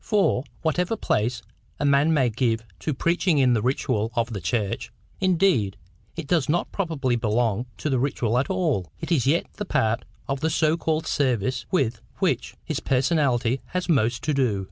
For, whatever place a man may give to preaching in the ritual of the church—indeed it does not properly belong to the ritual at all—it is yet the part of the so called service with which his personality has most to do.